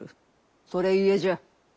それゆえじゃ。